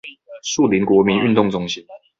樹林國民運動中心